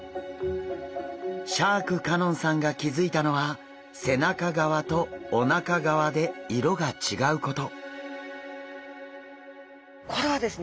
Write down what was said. シャーク香音さんが気付いたのは背中側とおなか側で色が違うこと。